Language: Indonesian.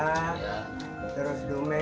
nah ini untuk despert di wwastu yine